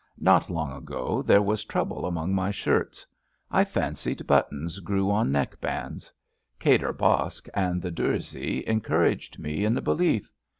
Not long ago there was trouble among my shirts. I fancied buttons grew on neck bands. Kadir Baksh and the durzie en couraged me in the belief.